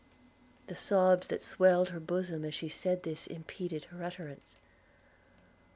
The sobs that swelled her bosom as she said this impeded her utterance.